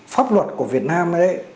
pháp luật của việt nam